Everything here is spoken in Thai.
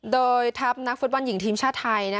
โดยทัพนักฟุตบอลหญิงทีมชาติไทย